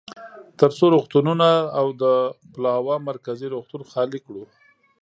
ترڅو روغتونونه او د پلاوا مرکزي روغتون خالي کړو.